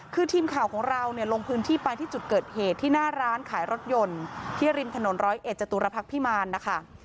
คือทีมข่าวของเราเนี่ยลงพื้นที่ไปที่จุดเกิดเหตุที่หน้าร้านขายรถยนต์ที่ริมถนนร้อยเอ็ดจตุรพักษ์พิมารนะคะ